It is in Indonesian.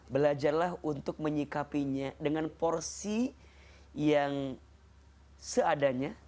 belajarlah untuk menyikapinya dengan porsi yang seadanya